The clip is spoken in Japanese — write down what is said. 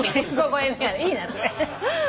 いいなそれ。